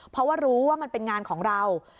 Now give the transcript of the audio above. เพราะว่ารู้ว่ามันเป็นงานของเรา